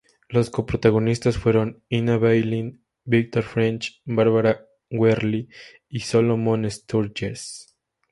Los coprotagonistas fueron Ina Balin, Victor French, Barbara Werle y Solomon Sturges.